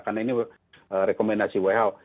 karena ini rekomendasi who